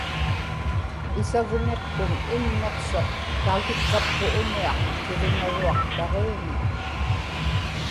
isagniqtun inniqsuq tautukkapku umiaq kiviŋaruaq taġiumi